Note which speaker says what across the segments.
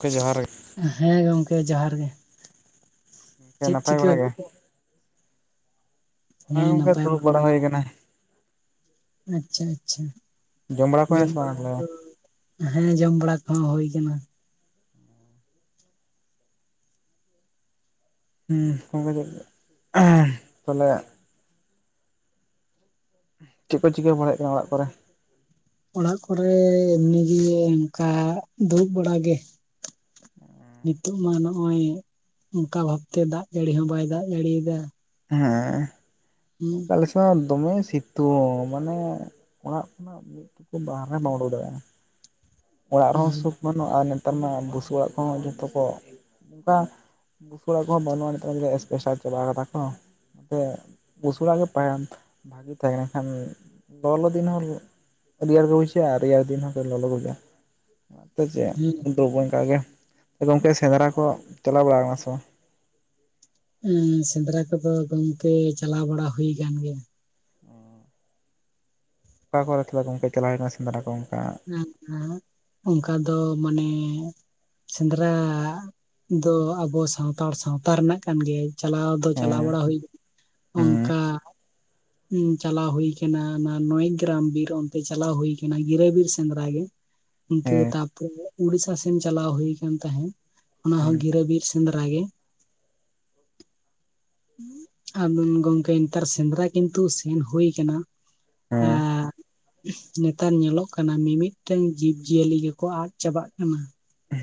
Speaker 1: ᱠᱮ ᱡᱚᱦᱟᱨ ᱜᱮ
Speaker 2: ᱦᱮᱸ ᱜᱚᱝᱠᱮ ᱡᱚᱦᱟᱨ ᱜᱮ᱾
Speaker 1: ᱜᱚᱝᱠᱮ
Speaker 2: ᱪᱮᱫ
Speaker 1: ᱱᱟᱯᱟᱭ
Speaker 2: ᱪᱤᱠᱟᱹ
Speaker 1: ᱵᱟᱲᱟ ᱜᱮ?
Speaker 2: ᱦᱩᱭᱩᱜ ᱠᱟᱱᱟ
Speaker 1: ᱦᱮᱸ ᱜᱚᱝᱠᱮ ᱫᱩᱲᱩᱵ ᱵᱟᱲᱟ ᱦᱩᱭ ᱠᱟᱱᱟ᱾
Speaker 2: ᱟᱪᱪᱷᱟ ᱟᱪᱪᱷᱟ
Speaker 1: ᱠᱚ ᱦᱩᱭᱱᱟ
Speaker 2: ᱡᱚᱢ
Speaker 1: ᱥᱮ
Speaker 2: ᱵᱟᱲᱟ
Speaker 1: ᱵᱟᱝ ᱛᱟᱦᱚᱞᱮ
Speaker 2: ᱠᱚᱫᱚ ᱦᱮᱸ ᱡᱚᱢ ᱵᱟᱲᱟ ᱠᱚᱦᱚᱸ ᱦᱳᱭ ᱠᱟᱱᱟ᱾
Speaker 1: ᱦᱮᱸ ᱠᱚᱢᱠᱮ [inaudible] ᱛᱚᱦᱞᱮ ᱪᱮᱫ ᱠᱚ ᱪᱤᱠᱟᱹ ᱵᱟᱲᱟᱭ ᱦᱩᱭᱩᱜ ᱠᱟᱱᱟ ᱚᱲᱟᱜ ᱠᱚᱨᱮ?
Speaker 2: ᱚᱲᱟᱜ ᱠᱚᱨᱮ ᱮᱢᱱᱤᱜᱮ ᱚᱱᱠᱟ ᱫᱩᱲᱩᱵ ᱵᱟᱲᱟᱜᱮ᱾ ᱱᱤᱛᱳᱜ ᱢᱟ ᱱᱚᱜᱼᱚᱭ ᱚᱱᱠᱟ ᱵᱷᱟᱵᱛᱮ ᱫᱟᱜ ᱡᱟᱹᱲᱤ ᱦᱚᱸ ᱵᱟᱭ ᱫᱟᱜ ᱡᱟᱹᱲᱤᱭᱮᱫᱟ᱾
Speaker 1: ᱦᱮᱸ
Speaker 2: ᱦᱩᱸ
Speaker 1: ᱚᱱᱠᱟ ᱫᱚᱢᱮ ᱥᱤᱛᱩᱝ ᱢᱟᱱᱮ ᱚᱲᱟᱜ ᱠᱷᱚᱱᱟᱜ ᱵᱟᱦᱨᱮ ᱵᱟᱢ ᱩᱰᱩᱠ ᱫᱟᱲᱮᱭᱟᱜᱼᱟ᱾ ᱚᱲᱟᱜ
Speaker 2: ᱦᱩᱸ
Speaker 1: ᱨᱮᱦᱚᱸ ᱥᱩᱠ ᱵᱟᱹᱱᱩᱜ ᱟᱨ ᱱᱮᱛᱟᱨ ᱢᱟ ᱵᱩᱥᱩᱵ ᱚᱲᱟᱜ ᱠᱚᱦᱚᱸ ᱡᱚᱛᱚ ᱠᱚ ᱱᱚᱝᱠᱟ ᱵᱩᱥᱩᱵ ᱚᱲᱟᱜ ᱠᱚᱦᱚᱸ ᱵᱟᱹᱱᱩᱜ-ᱟ ᱱᱮᱛᱟᱨ ᱫᱚ ᱮᱥᱯᱮᱥᱟᱞ ᱪᱟᱵᱟ ᱠᱟᱫᱟ᱾ ᱦᱚᱸ ᱱᱚᱛᱮ ᱵᱩᱥᱩᱵ ᱚᱲᱟᱜ ᱜᱮ ᱛᱟᱦᱮᱱ ᱵᱷᱟᱜᱮ ᱛᱟᱦᱮᱸ ᱞᱮᱱᱠᱷᱟᱱ ᱞᱚᱞᱚ ᱫᱤᱱ ᱦᱚᱸ ᱨᱮᱭᱟᱲ ᱜᱮ ᱵᱩᱡᱷᱟᱜ-ᱟ ᱟᱨ ᱨᱮᱭᱟᱲ ᱫᱤᱱ ᱦᱚᱸ ᱞᱚᱞᱚ ᱜᱮ ᱵᱩᱡᱩᱜ-ᱟ᱾ ᱚᱱᱟᱛᱮ ᱪᱮᱫ
Speaker 2: ᱦᱮᱸ
Speaker 1: ᱫᱚ ᱵᱚᱸᱜᱟ ᱜᱮ ᱛᱚ ᱜᱚᱝᱠᱮ ᱥᱮᱸᱫᱽᱨᱟ ᱠᱚ ᱪᱟᱞᱟᱣ ᱵᱟᱲᱟ ᱟᱠᱟᱱᱟ ᱵᱮᱱ ᱥᱮ ᱵᱟᱝ?
Speaker 2: ᱩᱸ ᱥᱮᱸᱫᱽᱨᱟ ᱠᱚᱫᱚ ᱜᱚᱝᱠᱮ ᱪᱟᱞᱟᱣ ᱵᱟᱲᱟ ᱦᱩᱭ ᱟᱠᱟᱱ ᱜᱮᱭᱟ᱾
Speaker 1: ᱚᱠᱟ ᱠᱚᱨᱮ ᱜᱚᱝᱠᱮ ᱚᱱᱠᱟ ᱪᱟᱞᱟᱣ ᱟᱠᱟᱱᱟ ᱥᱮᱸᱫᱽᱨᱟ ᱠᱚ ᱚᱱᱠᱟ
Speaker 2: ᱦᱮᱸ ᱚᱱᱠᱟ ᱫᱚ ᱢᱟᱱᱮ ᱥᱮᱸᱫᱽᱨᱟ ᱫᱚ ᱟᱵᱚ ᱥᱟᱱᱛᱟᱲ ᱥᱟᱶᱛᱟ ᱨᱮᱱᱟᱜ ᱠᱟᱱ ᱜᱮᱭᱟ᱾ ᱪᱟᱞᱟᱣ ᱫᱚ
Speaker 1: ᱦᱮᱸ
Speaker 2: ᱪᱟᱞᱟᱣ ᱵᱟᱲᱟ ᱦᱩᱭ [unintelligible]
Speaker 1: ᱦᱩᱸ
Speaker 2: ᱚᱱᱠᱟ ᱪᱟᱞᱟᱣ ᱦᱩᱭ ᱠᱟᱱᱟ ᱚᱱᱟ ᱱᱚᱭᱮᱜᱨᱟᱢ ᱵᱤᱨ ᱚᱱᱛᱮ ᱪᱟᱞᱟᱣ ᱦᱩᱭ ᱟᱠᱟᱱᱟ᱾ ᱜᱤᱨᱟᱹ ᱵᱤᱨ ᱥᱮᱸᱫᱽᱨᱟ ᱜᱮ ᱩᱱᱠᱩ ᱫᱚ
Speaker 1: ᱦᱮᱸ
Speaker 2: ᱛᱟᱢ ᱛᱚ ᱩᱲᱤᱥᱥᱟ ᱥᱮᱱ ᱪᱟᱞᱟᱣ ᱦᱩᱭᱩ ᱟᱠᱟᱱ ᱛᱟᱦᱮᱸᱫ, ᱚᱱᱟ
Speaker 1: ᱦᱩᱸ
Speaker 2: ᱦᱚᱸ ᱜᱤᱨᱟᱹᱵᱤᱨ ᱥᱮᱸᱫᱽᱨᱟ ᱜᱮ᱾ ᱟᱨ ᱜᱚᱝᱠᱮ ᱱᱮᱛᱟᱨ ᱥᱮᱸᱫᱽᱨᱟ ᱠᱤᱱᱛᱩ ᱥᱮᱱ ᱦᱩᱭ ᱠᱟᱱᱟ᱾
Speaker 1: ᱦᱮᱸ
Speaker 2: ᱟᱨ ᱱᱮᱛᱟᱨ ᱧᱮᱞᱚᱜ ᱠᱟᱱᱟ ᱢᱤᱢᱤᱫᱴᱟᱝ ᱡᱤᱵ ᱡᱤᱭᱟᱹᱞᱤ ᱜᱮᱠᱚ ᱟᱫ ᱪᱟᱵᱟᱜ ᱠᱟᱱᱟ᱾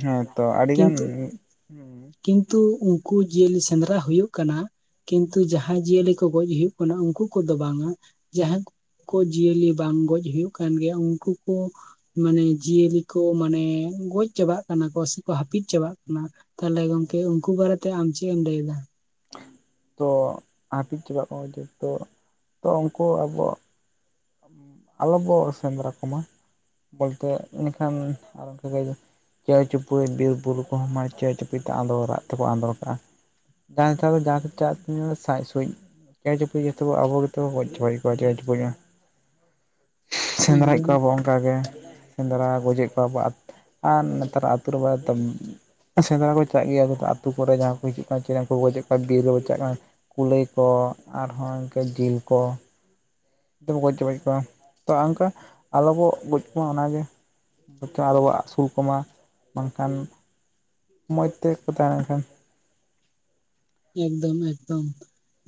Speaker 1: ᱦᱮᱸᱛᱚ ᱟᱹᱰᱤ ᱜᱟᱱ
Speaker 2: ᱠᱤᱱᱛᱩ ᱠᱤᱱᱛᱩ ᱩᱱᱠᱩ ᱡᱤᱭᱟᱹᱞᱤ ᱥᱮᱸᱫᱽᱨᱟ ᱦᱩᱭᱩᱜ ᱠᱟᱱᱟ᱾ ᱠᱤᱱᱛᱩ ᱡᱟᱦᱟᱸᱭ ᱡᱤᱭᱟᱹᱞᱤ ᱠᱚ ᱜᱚᱡ ᱦᱩᱭᱩᱜ ᱠᱟᱱᱟ᱾ ᱩᱱᱠᱩ ᱠᱚᱫᱚ ᱵᱟᱝᱼᱟ᱾ ᱡᱟᱦᱟᱸ ᱠᱚ ᱠᱩ ᱡᱤᱭᱟᱹᱞᱤ ᱵᱟᱝ ᱜᱚᱡ ᱦᱩᱭᱩᱜ ᱠᱟᱱ ᱜᱮᱭᱟ ᱩᱱᱠᱩ ᱠᱚ ᱢᱟᱱᱮ ᱡᱤᱭᱟᱹᱞᱤ ᱠᱚ ᱢᱟᱱᱮ ᱜᱚᱡ ᱪᱟᱵᱟᱜ ᱠᱟᱱᱟ ᱠᱚ ᱥᱮᱠᱚ ᱦᱟᱹᱯᱤᱫ ᱪᱟᱵᱟᱜ ᱠᱟᱱᱟ᱾ ᱛᱟᱦᱚᱞᱮ ᱜᱚᱝᱠᱮ ᱩᱱᱠᱩ ᱵᱟᱨᱮ ᱛᱮ ᱟᱢ ᱪᱮᱜ ᱮᱢ ᱞᱟᱹᱭ ᱮᱫᱟ?
Speaker 1: ᱛᱚ ᱦᱟᱹᱯᱤᱫ ᱪᱟᱵᱟᱜ ᱠᱟᱱᱟ ᱠᱚ ᱡᱚᱛᱚ ᱛᱚ ᱩᱱᱠᱩ ᱟᱵᱚ, ᱟᱞᱚᱵᱚ ᱟᱞᱚ ᱵᱚ ᱥᱮᱸᱫᱨᱟ ᱠᱚᱢᱟ, ᱵᱚᱞᱛᱮ ᱤᱱᱟᱹᱠᱷᱟᱱ ᱟᱨ [unintelligible] ᱪᱮᱭ ᱪᱩᱯᱲᱩᱡ ᱵᱤᱨᱵᱩᱨᱩ ᱠᱚᱦᱚᱸ ᱢᱟᱱᱮ ᱪᱮᱣ ᱪᱩᱯᱲᱡ ᱛᱮ ᱟᱸᱫᱳᱲ ᱨᱟᱜ ᱛᱮᱠᱚ ᱟᱸᱫᱳᱲ ᱠᱟᱜ-ᱟ᱾ ᱡᱟᱦᱟᱸ ᱪᱟᱭ [unintelligible] ᱥᱟᱸᱡ ᱥᱩᱸᱡ ᱪᱮᱬᱮ ᱪᱩᱯᱲ ᱡᱷᱚᱛᱚ ᱠᱚ ᱟᱵᱚ ᱜᱮᱛᱚ ᱵᱚ ᱜᱚᱡ ᱪᱟᱵᱟᱠᱮᱫ ᱠᱚᱣᱟ ᱪᱟᱣᱮ ᱪᱩᱯᱲᱩᱡ ᱢᱟ᱾
Speaker 2: [inaudible]
Speaker 1: ᱥᱮᱸᱫᱽᱨᱟᱭᱮᱜ
Speaker 2: ᱮᱠᱫᱚᱢ
Speaker 1: ᱠᱚᱣᱟ ᱵᱚᱱᱼᱼ ᱚᱱᱠᱟᱜᱮ ᱥᱮᱸᱫᱽᱨᱟ ᱜᱚᱡᱮᱫ ᱠᱚᱣᱟᱵᱚ ᱟᱨ ᱱᱮᱛᱟᱨᱟᱜ ᱟᱹᱛᱩᱩ [unintelligible] ᱛᱚ ᱥᱮᱸᱫᱽᱨᱟ ᱠᱚ ᱪᱟᱜ ᱜᱮᱭᱟ ᱠᱚ ᱟᱹᱛᱩ ᱠᱚᱨᱮ ᱡᱟᱦᱟᱸᱭ ᱠᱚ ᱦᱤᱡᱩᱜ ᱠᱟᱱ [unintelligible] ᱠᱚᱠᱚ ᱜᱚᱡᱮᱜ ᱠᱚᱣᱟ ᱵᱤᱨ ᱨᱮ ᱠᱚ ᱪᱟᱜ ᱠᱟᱱᱟ ᱠᱩᱞᱟᱹᱭ ᱠᱚ ᱟᱨᱦᱚᱸ ᱤᱱᱠᱟᱹ ᱡᱤᱞ ᱠᱚᱼᱼ ᱡᱷᱚᱛᱚ ᱵᱚ ᱜᱚᱡ ᱪᱚᱵᱟᱭᱮᱫ ᱠᱚᱣᱟ ᱛᱚ ᱚᱱᱠᱟ ᱟᱞᱚᱵᱚᱱ ᱜᱚᱡ ᱠᱚᱢᱟ ᱚᱱᱟᱜᱮᱼᱼ ᱵᱚᱨᱪᱚᱢ ᱟᱨᱚᱵᱚ ᱟᱹᱥᱩᱞ ᱠᱚᱢᱟ ᱵᱟᱝᱠᱷᱟᱱ ᱢᱚᱡᱽ ᱛᱮᱠᱚ ᱛᱟᱦᱮᱸᱱᱟ ᱮᱱᱠᱷᱟᱱ᱾
Speaker 2: ᱮᱠᱫᱚᱢ-ᱮᱠᱫᱚᱢ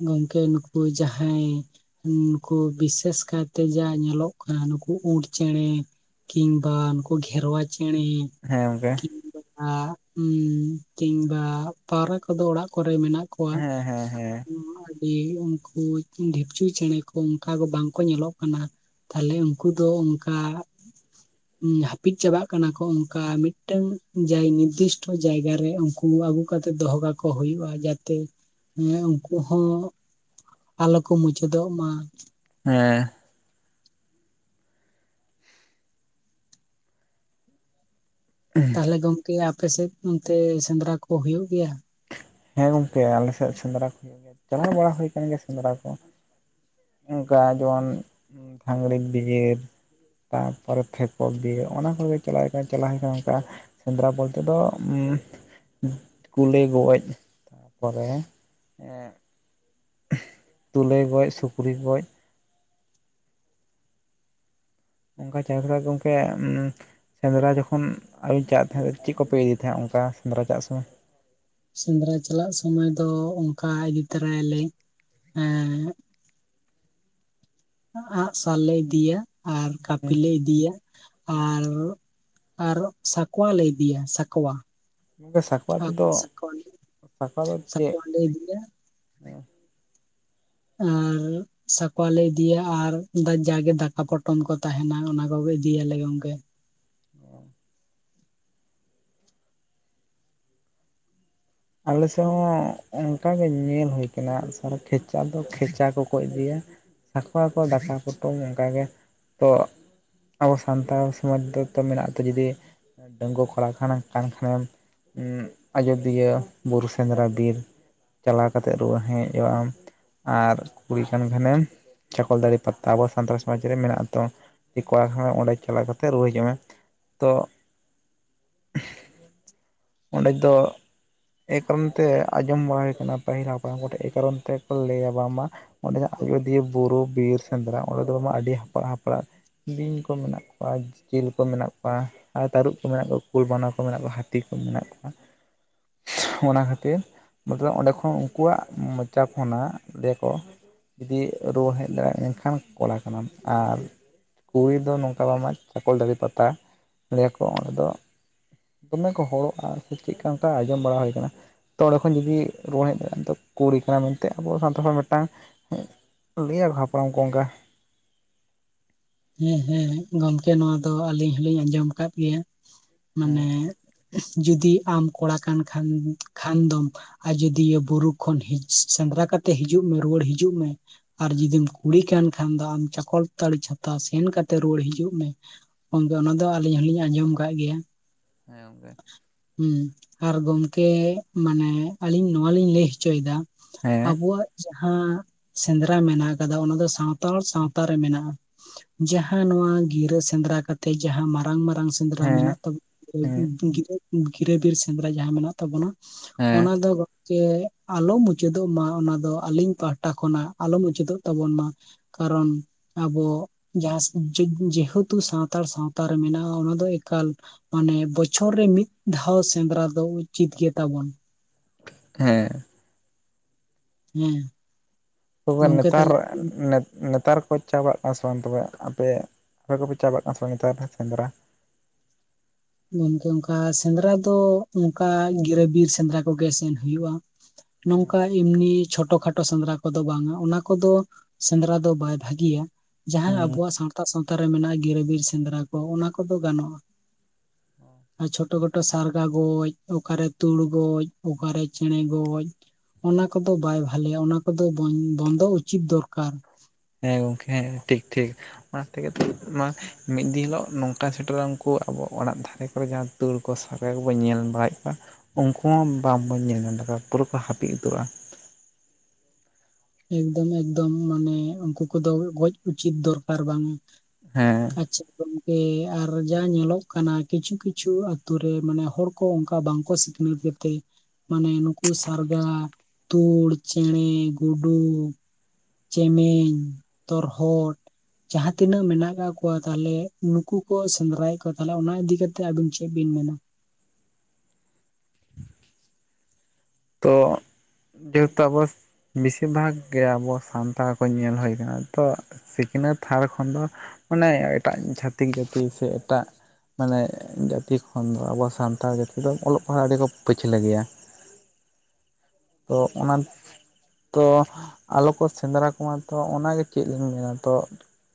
Speaker 2: ᱜᱚᱝᱠᱮ ᱱᱩᱠᱩ ᱡᱟᱦᱟᱸᱭᱼᱼ ᱱᱩᱠᱩ ᱵᱤᱥᱮᱥ ᱠᱟᱭᱛᱮ ᱡᱟ ᱧᱮᱞᱚᱜ ᱠᱟᱱᱟ ᱱᱩᱠᱩ ᱩᱸᱴ ᱪᱮᱸᱬᱮᱼᱼ ᱠᱤᱝᱵᱟ ᱩᱱᱠᱩ ᱜᱷᱮᱨᱣᱟ ᱪᱮᱸᱬᱮᱼᱼ
Speaker 1: ᱦᱮᱸ ᱜᱚᱝᱠᱮᱼᱼ
Speaker 2: [unintelligible] ᱠᱤᱝᱵᱟ ᱯᱟᱣᱨᱟ ᱠᱚᱫᱚ ᱚᱲᱟᱜ ᱠᱚᱨᱮ ᱢᱮᱱᱟᱜᱼᱼ ᱠᱚᱣᱟ
Speaker 1: ᱦᱮᱸ ᱦᱮᱸ ᱦᱮᱸ
Speaker 2: ᱩᱸ ᱟᱹᱰᱤ ᱩᱱᱠᱩ ᱰᱷᱤᱯᱪᱩ ᱪᱮᱸᱬᱮ ᱠᱚ ᱚᱝᱠᱟ ᱫᱚ ᱵᱟᱝᱠᱚ ᱧᱮᱞᱚᱜ ᱠᱟᱱᱟ᱾ ᱛᱟᱞᱦᱮ ᱩᱱᱠᱩ ᱫᱚ ᱚᱱᱠᱟᱼᱼ ᱦᱟᱹᱯᱤᱫ ᱪᱟᱵᱟᱜ ᱠᱟᱱᱟ ᱠᱚ ᱚᱝᱠᱟ ᱢᱤᱫᱴᱟᱹᱝ ᱡᱟᱭ ᱱᱤᱨᱫᱤᱥᱴᱚ ᱡᱟᱭᱜᱟ ᱨᱮ ᱩᱱᱠᱩᱼᱼ ᱩᱢ ᱟᱹᱜᱩ ᱠᱟᱛᱮ ᱫᱚᱦᱚ ᱠᱟᱠᱚ ᱦᱩᱭᱩᱜᱼᱼ ᱟ ᱡᱟᱛᱮ ᱩᱱᱠᱩ ᱦᱚᱸ ᱟᱞᱚ ᱠᱚ ᱢᱩᱪᱟᱹᱫᱚᱜ-ᱢᱟ,
Speaker 1: ᱦᱮᱸ
Speaker 2: ᱛᱟᱦᱮ ᱜᱚᱝᱠᱮ ᱟᱯᱮᱥᱮᱫ ᱚᱱᱛᱮ ᱥᱮᱸᱫᱽᱨᱟ ᱠᱚ ᱦᱩᱭᱩᱜ ᱜᱮᱭᱟ?
Speaker 1: ᱦᱮᱸ ᱜᱚᱝᱠᱮ ᱟᱞᱮᱥᱮᱫ ᱥᱮᱸᱫᱽᱨᱟ ᱠᱚ ᱜᱮ ᱪᱟᱞᱟᱣ ᱵᱟᱲᱟ ᱦᱩᱭ ᱠᱟᱱ ᱜᱮᱭᱟ ᱥᱮᱸᱫᱽᱨᱟ ᱠᱚᱼᱼ ᱚᱝᱠᱟ ᱟᱫᱚ ᱡᱮᱢᱚᱱ [unintelligible] ᱛᱟᱨᱯᱚᱨᱮ ᱛᱷᱮᱠ ᱚᱵᱫᱤ ᱚᱱᱟ ᱠᱚᱜᱮ ᱪᱟᱞᱟᱣ ᱦᱩᱭ ᱠᱟᱱᱟ ᱪᱟᱞᱟᱣ ᱦᱩᱭ ᱠᱟᱱᱟ ᱚᱱᱠᱟᱼᱼ ᱥᱮᱸᱫᱽᱨᱟ ᱵᱚᱞᱛᱮ ᱫᱚ ᱩᱸ ᱠᱩᱞᱟᱹᱭ ᱜᱚᱡ, ᱛᱟᱯᱚᱨᱮ ᱮᱸᱜ ᱛᱩᱞᱟᱹᱭ ᱜᱚᱡ ᱥᱩᱠᱨᱤ ᱜᱚᱡᱼᱼ ᱚᱱᱠᱟ ᱪᱟᱨ ᱯᱷᱮᱨᱟ ᱜᱚᱝᱠᱮ ᱩᱸ ᱥᱮᱸᱫᱽᱨᱟ ᱡᱚᱠᱷᱚᱱ ᱟᱣᱤᱱ ᱪᱟᱜ ᱛᱟᱦᱮᱸᱜ ᱪᱮᱫ ᱠᱚᱯᱮ ᱤᱫᱤᱭ ᱛᱟᱦᱮᱸᱜ ᱚᱱᱠᱟ ᱥᱮᱸᱫᱽᱨᱟ ᱪᱟᱜ ᱥᱩᱢᱚᱭ?
Speaker 2: ᱥᱮᱸᱫᱽᱨᱟ ᱪᱟᱞᱟᱜ ᱥᱚᱢᱚᱭ ᱫᱚ ᱚᱝᱠᱟ ᱤᱫᱤ ᱛᱟᱨᱟᱭᱟᱞᱮ ᱮᱸᱜᱼᱼ ᱟᱸᱜ ᱥᱟᱨᱞᱮ ᱤᱫᱤᱭᱟ, ᱟᱨᱼᱼ ᱠᱟᱹᱯᱤ ᱞᱮ ᱤᱫᱤᱭᱟ ᱟᱨ, ᱟᱨ ᱥᱟᱠᱚᱣᱟ ᱞᱮ ᱤᱫᱤᱭᱟ ᱥᱟᱠᱚᱣᱟ
Speaker 1: ᱜᱚᱝᱠᱮ ᱥᱟᱠᱣᱟ ᱛᱮᱫᱚ ᱥᱟᱠᱚᱣᱟ ᱛᱮᱫᱚ ᱪᱮᱫᱼᱼ
Speaker 2: ᱥᱟᱠᱣᱟ ᱞᱮ ᱤᱫᱤᱭᱟ ᱮᱸ ᱥᱟᱠᱚᱣᱟ ᱞᱮ ᱤᱫᱤᱭᱟ ᱟᱨ ᱫᱟ ᱡᱟᱜᱮ ᱫᱟᱠᱟ ᱯᱚᱴᱚᱢ ᱠᱚ ᱛᱟᱦᱮᱸᱱᱟ ᱚᱱᱟ ᱠᱚᱜᱮ ᱤᱫᱤᱭᱟᱞᱮ ᱜᱚᱝᱠᱮ᱾
Speaker 1: ᱚᱸ ᱟᱞᱮ ᱥᱮᱜ ᱚᱝᱠᱟ ᱜᱮ ᱧᱮᱞ ᱦᱩᱭ ᱠᱟᱱᱟ ᱟᱜ ᱥᱟᱨ ᱠᱷᱮᱪᱟ ᱫᱚ ᱠᱷᱮᱪᱟ ᱠᱚᱠᱚ ᱤᱫᱤᱭᱟ᱾ ᱥᱟᱠᱚᱣᱟ ᱠᱚ ᱫᱟᱠᱟ ᱠᱚᱴᱚᱢ ᱚᱝᱠᱟᱜᱮ ᱛᱚᱼᱼ ᱟᱵᱚ ᱥᱟᱱᱛᱟᱲ ᱥᱚᱢᱟᱡ ᱫᱚ ᱛᱚ ᱢᱮᱱᱟᱜ ᱟᱛᱚ ᱡᱩᱫᱤ ᱰᱟᱹᱝᱜᱩᱣᱟᱹ ᱠᱚᱲᱟ ᱠᱷᱟᱱᱮ ᱠᱟᱱ ᱠᱷᱟᱱᱮᱢ ᱩᱸᱜ ᱟᱡᱫᱤᱭᱟᱹ ᱵᱩᱨᱩ ᱥᱮᱸᱫᱽᱨᱟ ᱵᱤᱨ ᱪᱟᱞᱟᱣ ᱠᱟᱛᱮᱜ ᱨᱩᱣᱟᱹᱲ ᱦᱮᱜᱡᱚᱼᱟᱢ᱾ ᱟᱨ ᱠᱩᱲᱤ ᱠᱟᱱ ᱠᱷᱟᱱᱮᱢ ᱪᱟᱠᱚᱞ ᱛᱟᱲᱤ ᱯᱟᱛᱟ ᱟᱵᱚ ᱥᱟᱱᱛᱟᱲ ᱥᱚᱢᱟᱡ ᱨᱮ ᱢᱮᱱᱟᱜ ᱟᱛᱚ, ᱮᱠᱟ ᱦᱚᱲ ᱚᱸᱰᱮ ᱪᱟᱞᱟᱣ ᱠᱟᱛᱮ ᱨᱩᱣᱟᱹᱲ ᱦᱤᱡᱩᱜ ᱢᱮ᱾ ᱛᱚ
Speaker 2: [inaudible]
Speaker 1: ᱚᱸᱰᱮ ᱫᱚ ᱮᱭ ᱠᱟᱨᱚᱱ ᱛᱮ ᱟᱸᱡᱚᱢ ᱵᱟᱲᱟ ᱦᱩᱭ ᱠᱟᱱᱟ, ᱯᱟᱹᱦᱤᱞ ᱦᱟᱯᱟᱢ ᱠᱚ ᱴᱷᱮᱱ ᱮᱭᱟᱨᱚᱱ ᱛᱮᱠᱚ ᱞᱟᱹᱭᱟ ᱵᱟᱝ ᱢᱟ ᱚᱸᱰᱮᱱᱟᱜ ᱟᱡᱳᱫᱤᱭᱟᱹ ᱵᱩᱨᱩ ᱵᱤᱨ ᱥᱮᱸᱫᱽᱨᱟ ᱚᱸᱰᱮ ᱫᱚ ᱵᱟᱝ ᱟᱹᱰᱤ ᱦᱟᱯᱲᱟᱜ ᱦᱟᱯᱲᱟᱜ ᱵᱤᱧ ᱠᱚ ᱢᱮᱱᱟᱜ ᱠᱚᱣᱟ, ᱡᱤᱞ ᱠᱚ ᱢᱮᱱᱟᱜ ᱠᱚᱣᱟ ᱟᱨ ᱛᱟᱹᱨᱩᱵ ᱠᱚ ᱢᱮᱱᱟᱜ ᱠᱚᱣᱟ ᱠᱩᱞ ᱵᱟᱱᱟ ᱠᱚ ᱢᱮᱱᱟᱜ ᱠᱚᱣᱟ ᱦᱟᱹᱛᱤ ᱠᱚ ᱢᱮᱱᱟᱜ ᱠᱚᱣᱟ᱾ ᱚᱱᱟ ᱠᱷᱟᱹᱛᱤᱨ ᱢᱚᱛᱞᱚᱵ ᱚᱸᱰᱮ ᱠᱷᱚᱱ ᱩᱱᱠᱩᱣᱟᱜ ᱢᱚᱪᱟ ᱠᱷᱚᱱᱟᱜ ᱫᱮᱠᱚ ᱡᱩᱫᱤ ᱨᱩᱣᱟᱹ ᱦᱮᱡ ᱫᱟᱲᱮᱭᱟᱜᱼᱟ ᱮᱱᱠᱷᱟᱱ ᱠᱚᱲᱟ ᱠᱟᱱᱟᱢ, ᱟᱨ ᱠᱩᱲᱤ ᱫᱚ ᱱᱚᱝᱠᱟ ᱵᱟᱝᱢᱟ ᱪᱷᱟᱠᱚᱞ ᱛᱟᱲᱤ ᱯᱟᱛᱟ ᱞᱟᱹᱭᱟᱠᱚ ᱚᱸᱰᱮ ᱫᱚ ᱫᱚᱢᱮ ᱠᱚ ᱦᱚᱲᱚᱜᱼᱟ ᱥᱮ ᱪᱮᱫᱠᱟ ᱚᱝᱠᱟ ᱟᱸᱡᱚᱢ ᱵᱟᱲᱟ ᱦᱩᱭ ᱠᱟᱱᱟ᱾ ᱛᱚ ᱚᱸᱰᱮ ᱠᱷᱚᱱ ᱡᱩᱫᱤ ᱨᱩᱣᱟᱹᱲ ᱦᱮᱡ ᱫᱟᱲᱮᱭᱟᱜᱼᱟ ᱫᱚ ᱠᱩᱲᱤ ᱠᱟᱱᱟ ᱢᱮᱱᱛᱮ ᱟᱵᱚ ᱥᱟᱱᱛᱟᱲ ᱦᱚᱲ ᱢᱤᱫᱴᱟᱝ ᱞᱟᱹᱭᱟ ᱟᱠᱚ ᱦᱟᱯᱲᱟᱢ ᱠᱚ ᱚᱝᱠᱟ᱾
Speaker 2: ᱦᱮᱸ ᱦᱮᱸ ᱜᱚᱝᱠᱮ ᱱᱚᱣᱟ ᱫᱚ ᱟᱹᱞᱤᱧ ᱦᱚᱞᱤᱧ ᱟᱸᱡᱚᱢ ᱟᱠᱟᱫ ᱜᱮᱭᱟ, ᱢᱟᱱᱮ
Speaker 1: ᱦᱮᱸ
Speaker 2: ᱤᱥ ᱡᱩᱫᱤ ᱟᱢ ᱠᱚᱲᱟ ᱠᱟᱱ ᱠᱷᱟᱱ ᱠᱷᱟᱱ ᱫᱚᱢ ᱡᱫᱤᱭᱟᱹᱭᱟᱹ ᱵᱩᱨᱩ ᱠᱷᱚᱱ ᱥᱮᱸᱫᱽᱨᱟ ᱠᱟᱛᱮᱫ ᱦᱤᱡᱩᱜ ᱢᱮ ᱨᱩᱣᱟᱹᱲ ᱦᱤᱡᱩᱜ ᱢᱮ, ᱟᱨ ᱡᱩᱫᱤᱢ ᱠᱩᱲᱤ ᱠᱟᱱ ᱠᱷᱟᱱ ᱫᱚ ᱟᱢ ᱪᱟᱠᱚᱞᱛᱟᱲᱤ ᱪᱷᱟ ᱛᱟ ᱥᱮᱱ ᱠᱟᱛᱮ ᱨᱩᱣᱟᱹᱲ ᱦᱤᱡᱩᱜ ᱢᱮ, ᱜᱚᱝᱠᱮ ᱚᱱᱟ ᱫᱚ ᱟᱹᱞᱤᱧ ᱦᱚᱞᱤᱧ ᱟᱸᱡᱚᱢ ᱠᱟᱜ ᱜᱮᱭᱟ᱾
Speaker 1: ᱦᱮᱸ ᱜᱚᱢᱠᱮ᱾
Speaker 2: ᱦᱩᱸ ᱟᱨ ᱜᱚᱝᱠᱮ ᱢᱟᱱᱮ ᱟᱞᱤᱧ ᱱᱚᱣᱟᱞᱤᱧ ᱞᱟᱹᱭ ᱦᱚᱪᱚᱭᱫᱟ
Speaker 1: ᱦᱮᱸ
Speaker 2: ᱟᱵᱚᱣᱟᱜ ᱡᱟᱦᱟᱸ ᱥᱮᱸᱫᱽᱨᱟ ᱢᱮᱱᱟᱜ ᱠᱟᱫᱟ ᱚᱱᱟ ᱫᱚ ᱥᱟᱱᱛᱟᱲ ᱥᱟᱶᱛᱟ ᱨᱮ ᱢᱮᱱᱟᱜᱼᱟ᱾ ᱡᱟᱦᱟᱸ ᱱᱚᱣᱟ ᱜᱤᱨᱟᱹ ᱥᱮᱸᱫᱽᱨᱟ ᱠᱟᱛᱮᱜ ᱡᱟᱦᱟᱸ ᱢᱟᱨᱟᱝ ᱢᱟᱨᱟᱝ ᱥᱮᱸᱫᱽᱨᱟ
Speaker 1: ᱦᱮᱸ
Speaker 2: ᱢᱮᱱᱟᱜ ᱛᱟ
Speaker 1: ᱦᱮᱸ
Speaker 2: [unintelligible] ᱜᱤᱨᱟᱹ ᱜᱤᱨᱟᱹ ᱵᱤᱨ ᱥᱮᱸᱫᱽᱨᱟ ᱡᱟᱦᱟᱸ ᱢᱮᱱᱟᱜ ᱛᱟᱵᱚᱱᱟ
Speaker 1: ᱦᱮᱸ
Speaker 2: ᱚᱱᱟ ᱫᱚ ᱜᱚᱢ ᱠᱮ ᱟᱞᱚᱢ ᱢᱩᱪᱟᱹᱫᱚᱜ ᱢᱟ ᱚᱱᱟ ᱫᱚ ᱟᱞᱤᱧ ᱯᱟᱦᱴᱟ ᱠᱷᱚᱱᱟᱜ ᱟᱞᱚᱢ ᱢᱩᱪᱟᱹᱫᱚᱜ ᱛᱟᱵᱚᱱ ᱢᱟ᱾ ᱠᱟᱨᱚᱱ ᱟᱵᱚ ᱡᱟᱦᱟᱥ ᱡᱮᱦᱮᱛᱩ ᱥᱟᱱᱛᱟᱲ ᱥᱟᱶᱛᱟ ᱨᱮ ᱢᱮᱱᱟᱜᱼᱟ ᱚᱱᱟ ᱫᱚ ᱮᱠᱟᱞ ᱢᱟᱱᱮ ᱵᱚᱪᱷᱚᱨ ᱨᱮ ᱢᱤᱫ ᱫᱷᱟᱣ ᱥᱮᱸᱫᱽᱨᱟ ᱫᱚ ᱩᱪᱤᱛ ᱜᱮ ᱛᱟᱵᱚᱱ᱾
Speaker 1: ᱦᱮᱸ᱾
Speaker 2: ᱦᱮᱸ᱾
Speaker 1: ᱛᱚᱵᱮ
Speaker 2: ᱜᱚᱝᱠᱮ
Speaker 1: ᱱᱮᱛᱟᱨ
Speaker 2: ᱛᱟᱦᱚᱞᱮ
Speaker 1: ᱱᱮᱛᱟᱨ ᱠᱚ ᱪᱟᱞᱟᱜ ᱠᱟᱱᱟ ᱥᱮ ᱵᱟᱝ ᱛᱚᱵᱮ ᱟᱯᱮ ᱟᱯᱮ ᱠᱚᱯᱮ ᱪᱟᱞᱟᱜ ᱠᱟᱱᱟ ᱥᱮ ᱵᱟᱝ ᱱᱮᱛᱟᱨ ᱥᱮᱸᱫᱽᱨᱟ?
Speaker 2: ᱜᱚᱢᱠᱮ ᱚᱝᱠᱟ ᱥᱮᱸᱫᱽᱨᱟ ᱫᱚ ᱚᱝᱠᱟ ᱜᱤᱨᱟᱹ ᱵᱤᱨ ᱥᱮᱸᱫᱽᱨᱟ ᱠᱚᱜᱮ ᱥᱮᱱ ᱦᱩᱭᱩᱜᱼᱟ᱾ ᱱᱚᱝᱠᱟ ᱮᱢᱱᱤ ᱪᱷᱳᱴᱚ ᱠᱷᱟᱴᱳ ᱥᱮᱸᱫᱽᱨᱟ ᱠᱚᱫᱚ ᱵᱟᱝᱟ ᱚᱱᱟ ᱠᱚᱫᱚ ᱥᱮᱸᱫᱽᱨᱟ ᱫᱚ ᱵᱟᱭ ᱵᱷᱟᱹᱜᱤᱭᱟ, ᱡᱟᱦᱟᱸ
Speaker 1: ᱦᱩᱸ
Speaker 2: ᱟᱵᱚᱣᱟᱜ ᱥᱟᱶᱛᱟ ᱥᱟᱶᱛᱟᱨ ᱨᱮ ᱢᱮᱱᱟᱜᱼᱟ ᱜᱤᱨᱟᱹᱵᱤᱨ ᱥᱮᱸᱫᱽᱨᱟ ᱠᱚ ᱚᱱᱟ ᱠᱚᱫᱚ ᱜᱟᱱᱚᱜᱼᱟ᱾ ᱟᱨ ᱪᱷᱳᱴᱚ ᱠᱷᱟᱴᱳ ᱥᱟᱨᱜᱟ ᱜᱚᱡ ᱚᱠᱟᱨᱮ ᱛᱩᱲ ᱜᱚᱡ ᱚᱠᱟᱨᱮ ᱪᱮᱬᱮ ᱜᱚᱡ ᱚᱱᱟ ᱠᱚᱫᱚ ᱵᱟᱭ ᱵᱷᱟᱞᱮᱭᱟ ᱚᱱᱟ ᱠᱚᱫᱚ ᱵᱚᱱ ᱵᱚᱱᱫᱚ ᱩᱪᱤᱛ ᱫᱚᱨᱠᱟᱨ᱾
Speaker 1: ᱦᱮᱸ ᱜᱚᱢᱠᱮ ᱦᱮᱸ ᱴᱷᱤᱠ ᱴᱷᱤᱠ᱾ ᱚᱱᱟ ᱛᱮᱜᱮ ᱢᱟ ᱢᱤᱫ ᱫᱤᱱ ᱦᱤᱞᱳᱜ ᱱᱚᱝᱠᱟ ᱥᱮᱴᱮᱨᱟ ᱩᱝᱠᱩ ᱟᱵᱚ ᱚᱲᱟᱜ ᱫᱷᱟᱨᱮ ᱠᱚᱨᱮ ᱡᱟᱦᱟᱸ ᱛᱩᱲ ᱠᱚ ᱥᱟᱨᱜᱟ ᱠᱚᱵᱚᱱ ᱧᱮᱞ ᱵᱟᱲᱟᱭᱮᱫ ᱠᱚᱣᱟ, ᱩᱱᱠᱩ ᱦᱚᱸ ᱵᱟᱝ ᱵᱟᱹᱧ ᱧᱮᱞ [unintelligible] ᱯᱩᱨᱟᱹ ᱠᱚ ᱦᱟᱹᱯᱤᱫ ᱩᱛᱩᱜᱼᱟ
Speaker 2: ᱮᱠᱫᱚᱢ ᱮᱠᱫᱚᱢ ᱢᱟᱱᱮ ᱩᱱᱠᱩ ᱠᱚᱫᱚ ᱜᱚᱡ ᱩᱪᱤᱛ ᱫᱚᱨᱠᱟᱨ ᱵᱟᱝ
Speaker 1: ᱦᱮᱸ
Speaker 2: ᱟᱪᱪᱷᱟ ᱜᱚᱢᱠᱮ ᱟᱨ ᱡᱟ ᱧᱮᱞᱚᱜ ᱠᱟᱱᱟ ᱠᱤᱪᱷᱩ ᱠᱤᱪᱷᱩ ᱟᱹᱛᱩ ᱨᱮ ᱢᱟᱱᱮ ᱦᱚᱲ ᱠᱚ ᱠᱚ ᱚᱱᱠᱟ ᱵᱟᱝ ᱠᱚ ᱥᱤᱠᱷᱱᱟᱹᱛ ᱜᱮᱛᱮ ᱢᱟᱱᱮ ᱱᱩᱠᱩ ᱥᱟᱨᱜᱟ, ᱛᱩᱲ, ᱪᱮᱸᱬᱮ, ᱜᱩᱰᱩ, ᱪᱮᱢᱮᱧ, ᱛᱚᱨᱦᱚᱫ ᱡᱟᱦᱟᱸ ᱛᱤᱱᱟᱹᱜ ᱢᱮᱱᱟᱜ ᱟᱠᱟᱫ ᱠᱚᱣᱟ ᱛᱟᱞᱦᱮ ᱱᱩᱠᱩ ᱠᱚ ᱥᱮᱸᱫᱽᱨᱟᱭᱮᱫ ᱠᱚᱣᱟ ᱛᱟᱦᱚᱞᱮ ᱚᱱᱟ ᱤᱫᱤᱠᱟ ᱠᱟᱛᱮᱜ ᱟᱵᱤᱱ ᱪᱮᱫ ᱵᱤᱱ ᱢᱮᱱᱟ?
Speaker 1: ᱛᱚ ᱡᱮᱛᱚ ᱟᱵᱚᱥ ᱵᱤᱥᱤᱨ ᱵᱷᱟᱜᱽ ᱜᱮ ᱟᱵᱚ ᱥᱟᱱᱛᱟᱲ ᱠᱚ ᱧᱮᱞ ᱦᱩᱭ ᱟᱠᱟᱱᱟ ᱛᱚ ᱾ ᱥᱤᱠᱷᱱᱟᱹᱛ ᱛᱷᱟᱲ ᱠᱷᱚᱱ ᱫᱚ ᱢᱟᱱᱮ ᱮᱴᱟᱜ ᱪᱷᱟᱹᱛᱤᱠ ᱡᱟᱹᱛᱤ ᱥᱮ ᱮᱴᱟᱜ ᱢᱟᱱᱮ ᱡᱟᱹᱛᱤ ᱠᱷᱚᱱ ᱫᱚ ᱟᱵᱚ ᱥᱟᱱᱛᱟᱲ ᱡᱟᱹᱛᱤ ᱫᱚ ᱚᱞᱚᱜ ᱯᱟᱲᱦᱟᱜ ᱟᱹᱰᱤ ᱠᱚ ᱯᱟᱹᱪᱷᱞᱟᱹ ᱜᱮᱭᱟ ᱛᱚ ᱚᱱᱟᱱ ᱛᱚ ᱟᱞᱚ ᱠᱚ ᱥᱮᱸᱫᱽᱨᱟ ᱠᱚᱢᱟ ᱛᱚ ᱚᱱᱟᱜᱮ ᱪᱮᱫ ᱞᱤᱧ ᱢᱮᱱᱟ ᱛᱚ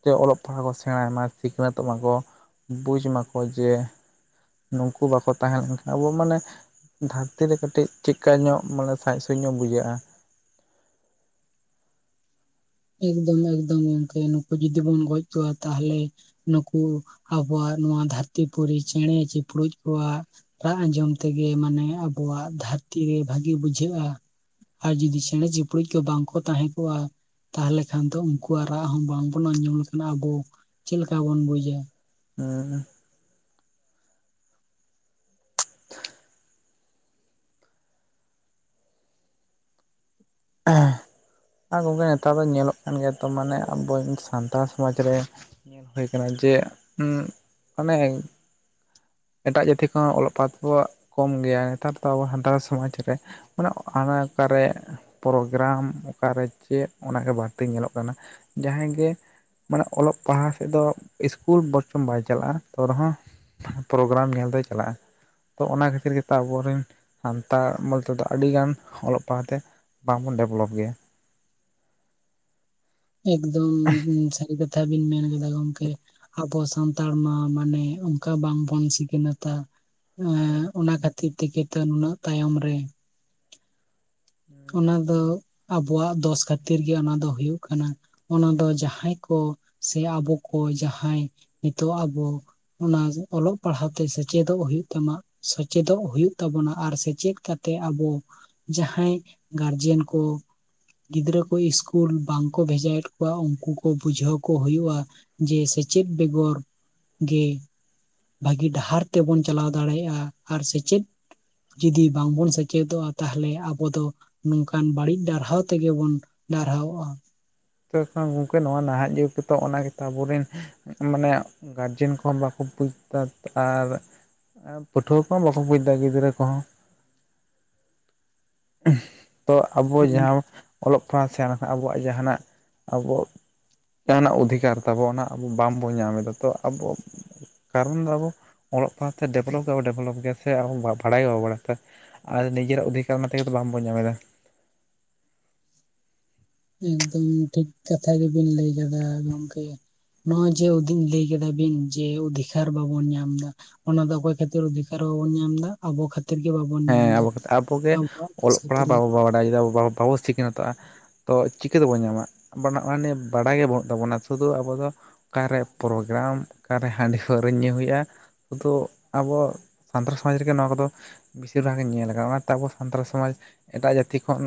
Speaker 1: ᱡᱮ ᱚᱞᱚᱜ ᱯᱟᱲᱦᱟᱜ ᱠᱚ ᱥᱮᱸᱲᱟᱭ ᱢᱟ ᱥᱤᱠᱷᱱᱟᱹᱛᱚᱜ ᱢᱟᱠᱚ ᱵᱩᱡ ᱢᱟᱠᱚ ᱡᱮ ᱱᱩᱝᱠᱩ ᱵᱟᱠᱚ ᱛᱟᱦᱮ ᱞᱮᱱᱠᱷᱟᱡ ᱟᱵᱚ ᱢᱟᱱᱮ ᱫᱷᱟᱹᱨᱛᱤ ᱨᱮ ᱠᱟᱹᱴᱤᱡ ᱴᱷᱤᱠ ᱠᱟᱹᱡᱽ ᱧᱚᱜ ᱢᱟᱱᱮ ᱥᱟᱸᱡ ᱥᱩᱭᱴᱧ ᱧᱚᱜ ᱵᱩᱡᱷᱟᱹᱜᱼᱟ
Speaker 2: ᱮᱠᱫᱚᱢ ᱮᱠᱫᱚᱢ ᱜᱚᱝᱠᱮ ᱱᱩᱠᱩ ᱡᱩᱫᱤ ᱵᱚᱱ ᱜᱚᱡ ᱠᱚᱣᱟ ᱛᱟᱦᱚᱞᱮ ᱱᱩᱠᱩ ᱟᱵᱚᱣᱟᱜ ᱱᱚᱣᱟ ᱫᱷᱟᱹᱨᱛᱤ ᱯᱩᱨᱤ ᱪᱮᱬᱮ ᱪᱩᱯᱲᱩᱡ ᱠᱚᱣᱟᱜ ᱨᱟᱜ ᱟᱸᱡᱚᱢ ᱛᱮᱜᱮ ᱢᱟᱱᱮ ᱟᱵᱚᱣᱟᱜ ᱫᱷᱟᱨᱛᱤ ᱨᱮ ᱵᱷᱟᱹᱜᱤ ᱵᱩᱡᱷᱟᱹᱜᱼᱟ ᱟᱨ ᱡᱩᱫᱤ ᱪᱮᱬᱮ ᱪᱤᱯᱲᱩᱫᱴᱡ ᱠᱚ ᱵᱟᱝ ᱠᱚ ᱛᱟᱦᱮᱸ ᱠᱚᱜᱼᱟ ᱛᱟᱞᱦᱮ ᱠᱷᱟᱱ ᱫᱚ ᱩᱱᱠᱩᱣᱟᱜ ᱨᱟᱜ ᱦᱚᱸ ᱵᱟᱝᱵᱚᱱ ᱟᱸᱡᱚᱢ ᱞᱮᱠᱷᱟᱱ ᱟᱵᱚ ᱪᱮᱫ ᱞᱮᱠᱟ ᱵᱚᱱ ᱵᱩᱡᱟ
Speaker 1: ᱦᱩᱸ ᱟᱦᱻ ᱟ ᱜᱚᱢᱠᱮ ᱱᱮᱛᱟᱨ ᱫᱚ ᱧᱮᱞᱚᱜ ᱠᱟᱱ ᱜᱮᱭᱟ ᱛᱚ ᱢᱟᱱᱮ ᱟᱵᱚ ᱥᱟᱱᱛᱟᱲ ᱥᱚᱢᱟᱡ ᱨᱮ ᱧᱮᱞ ᱦᱩᱭ ᱠᱟᱱᱟ ᱡᱮ ᱩᱸᱜ ᱚᱱᱮ ᱮᱴᱟᱜ ᱡᱟᱹᱛᱤ ᱠᱷᱚᱱ ᱚᱞᱚᱜ ᱯᱟᱲᱦᱟᱜ ᱛᱮᱵᱚ ᱠᱚᱢ ᱜᱮᱭᱟ ᱱᱮᱛᱟᱨ ᱫᱚ ᱟᱵᱚ ᱥᱟᱱᱛᱟᱲ ᱥᱚᱢᱟᱡᱽ ᱨᱮ ᱢᱟᱱᱮ ᱟᱱᱟ ᱠᱟᱨᱮ ᱯᱨᱳᱜᱨᱟᱢ ᱚᱠᱟᱨᱮ ᱪᱮᱫ ᱚᱱᱟᱜᱮ ᱵᱟᱲᱛᱤ ᱧᱮᱞᱚᱜ ᱠᱟᱱᱟ ᱡᱟᱦᱟᱭ ᱜᱮ ᱢᱟᱱᱮ ᱚᱞᱚᱜ ᱯᱟᱲᱦᱟᱣ ᱥᱮᱫ ᱫᱚ ᱤᱥᱠᱩᱞ ᱵᱚᱨᱪᱷᱚᱢ ᱵᱟᱭ ᱪᱟᱞᱟᱜᱼᱟ ᱛᱟᱣ ᱨᱮ ᱦᱚᱸ ᱯᱨᱳᱜᱨᱟᱢ ᱧᱮᱞ ᱫᱚᱭ ᱪᱟᱞᱟᱜᱼᱟ ᱛᱚ ᱚᱱᱟ ᱠᱷᱟᱹᱛᱤᱨ ᱜᱮᱛᱚ ᱟᱵᱚᱨᱮᱱ ᱥᱟᱱᱛᱟᱲ ᱵᱚᱞ ᱛᱮ ᱫᱚ ᱟᱹᱰᱤ ᱜᱟᱱ ᱚᱞᱚᱜ ᱯᱟᱲᱦᱟᱣ ᱛᱮ ᱵᱟᱝ ᱵᱚᱱ ᱰᱮᱵᱷᱞᱚᱯ ᱜᱮᱭᱟ
Speaker 2: ᱮᱠᱫᱚᱢ ᱥᱟᱹᱨᱤ ᱠᱟᱛᱷᱟ ᱵᱤᱱ ᱢᱮᱱ ᱠᱮᱫᱟ ᱜᱚᱢᱠᱮ ᱟᱵᱚ ᱥᱟᱱ ᱛᱟᱲᱢᱟ ᱢᱟᱱᱮ ᱚᱱᱠᱟ ᱵᱟᱝ ᱵᱚᱱ ᱥᱤᱠᱷᱱᱟᱹᱛᱟ ᱮᱸᱻ ᱚᱱᱟ ᱠᱷᱟᱹᱛᱤᱨ ᱠᱷᱟᱹᱛᱤᱨ ᱛᱮᱜᱮ ᱛᱚ ᱱᱩᱱᱟᱹᱜ ᱛᱟᱭᱚᱢ ᱨᱮ ᱚᱱᱟ ᱫᱚ ᱟᱵᱚᱣᱟᱜ ᱫᱚᱥ ᱠᱷᱟᱹᱛᱤᱨ ᱜᱮ ᱚᱱᱟ ᱫᱚ ᱦᱩᱭᱩᱜ ᱠᱟᱱᱟ ᱚᱱᱟ ᱫᱚ ᱡᱟᱦᱟᱸᱭ ᱠᱚ ᱥᱮ ᱟᱵᱚ ᱠᱚ ᱡᱟᱦᱟᱸᱭ ᱱᱤᱛᱚᱜ ᱟᱵᱚ ᱚᱱᱟ ᱚᱞᱚᱜ ᱯᱟᱲᱦᱟᱜ ᱛᱮ ᱥᱮᱪᱮᱫᱚᱜ ᱦᱩᱭᱩᱜ ᱛᱟᱢᱟ ᱥᱮᱪᱮᱫᱚᱜ ᱦᱩᱭᱩᱜ ᱛᱟᱵᱚᱱᱟ ᱟᱨ ᱥᱮᱪᱮᱫ ᱠᱟᱛᱮᱜ ᱟᱵᱚ ᱡᱟᱦᱟᱸᱭ ᱜᱟᱨᱡᱮᱱ ᱠᱚ ᱜᱤᱫᱽᱨᱟᱹ ᱠᱚ ᱤᱥᱠᱩᱞ ᱵᱟᱝ ᱠᱚ ᱵᱷᱮᱡᱟᱭᱮᱫ ᱠᱚᱣᱟ ᱩᱱᱠᱩ ᱠᱚ ᱵᱩᱡᱷᱟᱹᱣ ᱠᱚ ᱦᱩᱭᱩᱜᱼᱟ ᱡᱮ ᱥᱮᱪᱮᱫ ᱵᱮᱜᱚᱨ ᱜᱮ ᱵᱷᱟᱹᱜᱤ ᱰᱟᱦᱟᱨ ᱛᱮᱵᱚᱱ ᱪᱟᱞᱟᱣ ᱫᱟᱲᱮᱭᱟᱜᱼᱟ ᱟᱨ ᱥᱮᱪᱮᱫ ᱡᱤᱫᱤ ᱵᱟᱝᱵᱚᱱ ᱥᱮᱪᱮᱫᱚᱜᱼᱟ ᱛᱟᱦᱚᱞᱮ ᱟᱵᱚ ᱫᱚ ᱱᱚᱝᱠᱟᱱ ᱵᱟᱹᱲᱤᱡ ᱰᱟᱨᱦᱟᱣ ᱛᱮᱜᱮᱵᱚᱱ ᱰᱟᱨᱦᱟᱣᱚᱜᱼᱟ
Speaker 1: [inaudible] ᱜᱚᱝᱠᱮ ᱱᱚᱣᱟ ᱱᱟᱦᱟᱜ ᱡᱩᱜᱽ ᱛᱚ ᱚᱱᱟ ᱜᱮᱛᱚ ᱟᱵᱚᱨᱮᱱ ᱢᱟᱱᱮ ᱜᱟᱨᱡᱮᱱ ᱠᱚᱦᱚ ᱵᱟᱠᱚ ᱵᱩᱡ ᱫᱟ ᱟᱨ ᱯᱟᱹᱴᱷᱩᱣᱟᱹ ᱠᱚᱦᱚ ᱵᱟᱠᱚ ᱵᱩᱡ ᱫᱟ ᱜᱤᱫᱽᱨᱟᱹ ᱠᱚᱦᱚ [inaudible] ᱛᱚ ᱟᱵᱚ ᱡᱟᱦᱟᱸ ᱚᱞᱚᱜ ᱯᱟᱲᱦᱟᱜ ᱥᱮᱬᱟ ᱞᱮᱠᱷᱟᱱ ᱟᱵᱚᱣᱟᱜ ᱡᱟᱦᱟᱱᱟᱜ ᱟᱵᱚ ᱡᱟᱦᱟᱱᱟᱜ ᱚᱫᱷᱤᱠᱟᱨ ᱛᱟᱵᱚ ᱚᱱᱟ ᱟᱵᱚ ᱵᱟᱝᱵᱚᱱ ᱧᱟᱢ ᱮᱫᱟ ᱛᱚ ᱟᱵᱚ᱾ ᱠᱟᱨᱚᱱ ᱫᱚ ᱟᱵᱚ ᱚᱞᱚᱜ ᱯᱟᱲᱦᱟᱜ ᱛᱮ ᱰᱮᱵᱷᱞᱚᱯ ᱜᱮ ᱰᱮᱵᱷᱞᱚᱯ ᱜᱮᱭᱟ ᱥᱮ ᱟᱨᱦᱚ [unintelligible] ᱵᱟᱲᱟᱭ ᱜᱮ ᱵᱟᱵᱚ ᱵᱟᱲᱟᱭ ᱛᱮ᱾ ᱟᱨ ᱱᱤᱡᱮᱨᱟᱜ ᱚᱫᱷᱤᱠᱟᱨ ᱚᱱᱟ ᱛᱮᱜᱚ ᱵᱟᱝ ᱵᱚᱱ ᱧᱟᱢ ᱮᱫᱟ᱾
Speaker 2: ᱮᱠᱫᱚᱢ ᱴᱷᱤᱠ ᱠᱟᱛᱷᱟ ᱜᱮᱵᱤᱱ ᱞᱟᱹᱭ ᱠᱟᱫᱟ ᱜᱚᱝᱠᱮ᱾ ᱱᱚᱜ ᱚᱭ ᱡᱮ [unintelligible] ᱞᱟᱹᱭ ᱠᱮᱫᱟ ᱵᱤᱱ ᱡᱮ ᱚᱫᱷᱤᱠᱟᱨ ᱵᱟᱵᱚᱱ ᱧᱟᱢ ᱮᱫᱟ ᱚᱱᱟ ᱫᱚ ᱚᱠᱚᱭ ᱠᱷᱟᱹᱛᱤᱨ ᱚᱫᱷᱤᱠᱟᱨ ᱵᱟᱵᱚᱱ ᱧᱟᱢ ᱫᱟ ᱟᱵᱚ ᱠᱷᱟᱹᱛᱤᱨ ᱛᱤᱨ ᱜᱮ ᱵᱟᱵᱚᱱ ᱧᱟᱢ
Speaker 1: ᱦᱮᱸ
Speaker 2: ᱮᱫᱟ
Speaker 1: ᱟᱵᱚᱠᱟᱛᱮᱜ ᱟᱵᱚᱜᱮ
Speaker 2: ᱟᱵᱚᱣᱟᱜ
Speaker 1: ᱚᱞᱚᱜ
Speaker 2: ᱠᱷᱟᱹᱛᱤᱨ ᱜᱮ
Speaker 1: ᱯᱟᱲᱦᱟ ᱵᱟᱵᱚ ᱵᱟᱰᱟᱭ ᱫᱟ ᱵᱟ ᱵᱟᱵᱚ ᱥᱤᱠᱷᱱᱟᱹᱛᱚᱜ-ᱟ᱾ ᱛᱚ ᱪᱤᱠᱟᱹ ᱛᱮᱵᱚ ᱧᱟᱢᱟ [unintelligible] ᱚᱱᱟ ᱱᱤᱭᱟᱹ ᱵᱟᱲᱟᱭ ᱜᱮ ᱵᱟᱹᱱᱩᱜ ᱛᱟᱵᱚᱱᱟ ᱥᱩᱫᱩ ᱟᱵᱚ ᱫᱚ ᱚᱠᱟ ᱨᱮ ᱯᱨᱳᱜᱨᱟᱢ ᱚᱠᱟ ᱨᱮ ᱦᱟᱸᱰᱤ ᱯᱟᱹᱣᱨᱟᱹ ᱧᱩ ᱦᱩᱭᱩᱜᱼᱟ ᱩᱫᱚ ᱟᱵᱚ ᱥᱟᱱᱛᱟᱲ ᱥᱚᱢᱟᱡᱽ ᱨᱮᱜᱮ ᱱᱚᱣᱟ ᱠᱚᱫᱚ ᱵᱮᱥᱤᱨ ᱵᱷᱟᱜᱽ ᱤᱧ ᱧᱮᱞ ᱟᱠᱟᱫᱟ ᱚᱱᱟᱛᱮ ᱟᱵᱚ ᱥᱟᱱᱛᱟᱲ ᱥᱚᱢᱟᱡᱽ ᱮᱴᱟᱜ ᱡᱟᱹᱛᱤ ᱠᱷᱚᱱ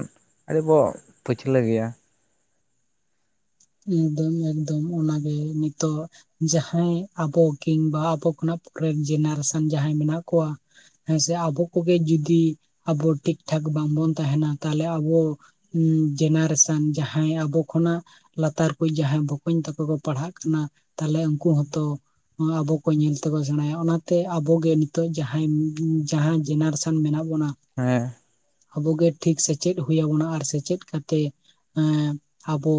Speaker 1: ᱟᱹᱰᱤ ᱵᱚ ᱯᱟᱹᱪᱷᱞᱟᱹ ᱜᱮᱭᱟ᱾
Speaker 2: ᱮᱠᱫᱚᱢ ᱮᱠᱫᱚᱢ ᱚᱱᱟᱜᱮ ᱱᱤᱛᱚᱜ ᱡᱟᱦᱟᱸᱭ ᱟᱵᱚ ᱠᱤᱢᱵᱟ ᱟᱵᱚ ᱠᱷᱚᱱᱟᱜ ᱯᱚᱨᱮᱨ ᱡᱮᱱᱟᱨᱮᱥᱚᱱ ᱡᱟᱦᱟᱸᱭ ᱢᱮᱱᱟᱜ ᱠᱚᱣᱟ᱾ ᱦᱮᱸ ᱥᱮ ᱟᱵᱚ ᱠᱚᱜᱮ ᱡᱩᱫᱤ ᱟᱵᱚ ᱴᱷᱤᱠ ᱴᱷᱟᱠ ᱵᱟᱝᱵᱚᱱ ᱛᱟᱦᱮᱱᱟ ᱛᱟᱦᱚᱞᱮ ᱟᱵᱚ ᱩᱸ ᱡᱮᱱᱟᱨᱮᱥᱚᱱ ᱡᱟᱦᱟᱸᱭ ᱟᱵᱚ ᱠᱷᱚᱱᱟᱜ ᱞᱟᱛᱟᱨ ᱠᱚ ᱡᱟᱦᱟᱸᱭ ᱵᱚᱠᱚᱧ ᱛᱟᱠᱚ ᱠᱚ ᱯᱟᱲᱦᱟᱜ ᱠᱟᱱᱟ ᱛᱟᱦᱞᱮ ᱩᱱᱠᱩ ᱦᱚᱸᱛᱚ ᱟᱵᱚ ᱠᱚ ᱧᱮᱞ ᱛᱮᱠᱚ ᱥᱮᱬᱟᱭᱟ᱾ ᱚᱱᱟᱛᱮ ᱟᱵᱚᱜᱮ ᱱᱤᱛᱚᱜ ᱡᱟᱦᱟᱸᱭ ᱡᱟᱦᱟᱸ ᱡᱮᱱᱟᱨᱮᱥ- -ᱚᱱ ᱢᱮᱱᱟᱜ ᱵᱚᱱᱟ
Speaker 1: ᱦᱮᱸ
Speaker 2: ᱟᱵᱚᱜᱮ ᱴᱷᱤᱠ ᱥᱮᱪᱮᱫ ᱦᱩᱭ ᱟᱵᱚᱱᱟ ᱟᱨ ᱥᱮᱪᱮᱫ ᱠᱟᱛᱮ ᱮ ᱟᱵᱚ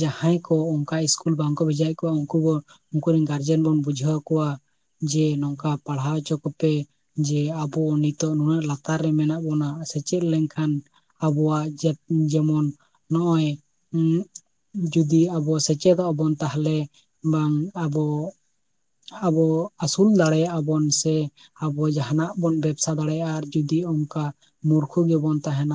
Speaker 2: ᱡᱟᱦᱟᱸᱭ ᱠᱚ ᱚᱱᱠᱟ ᱤᱥᱠᱩᱞ ᱵᱟᱝᱠᱚ ᱵᱷᱮᱡᱟᱭᱮᱫ ᱠᱚᱣᱟ ᱩᱱᱠᱩ ᱵᱚ ᱩᱱᱠᱩ ᱨᱮᱱ ᱜᱟᱨᱡᱮᱱ ᱵᱚᱱ ᱵᱩᱡᱷᱟᱹᱣ ᱠᱚᱣᱟ᱾ ᱡᱮ ᱱᱚᱝᱠᱟ ᱯᱟᱲᱦᱟᱣ ᱦᱚᱪᱚ ᱠᱚᱯᱮ ᱡᱮ ᱟᱵᱚ ᱱᱤᱛᱚᱜ ᱱᱩᱱᱟᱹᱜ ᱞᱟᱛᱟᱨ ᱨᱮ ᱢᱮᱱᱟᱜ ᱵᱚᱱᱟ ᱥᱮᱪᱮᱫ ᱞᱮᱱᱠᱷᱟᱱ ᱟᱵᱚᱣᱟᱜ ᱡᱟᱹ ᱡᱮᱢᱚᱱ ᱱᱚᱜᱼᱚᱭ ᱡᱩᱫᱤ ᱟᱵᱚ ᱥᱮᱪᱮᱫᱚᱜᱼᱟ ᱵᱚᱱ ᱛᱟᱦᱚᱞᱮ ᱵᱟᱝ ᱟᱵᱚ ᱟᱵᱚ ᱟᱹᱥᱩᱞ ᱫᱟᱲᱮᱭᱟᱜᱼᱟ ᱵᱚᱱ ᱥᱮ ᱟᱵᱚ ᱡᱟᱦᱱᱟᱜ ᱵᱚᱱ ᱵᱮᱵᱥᱟ ᱫᱟᱲᱮᱭᱟᱜᱼᱟ ᱟᱨ ᱡᱩᱫᱤ ᱚᱱᱠᱟ ᱢᱩᱨᱠᱷᱩ ᱜᱮᱵᱚᱱ ᱛᱟᱦᱮᱱᱟ᱾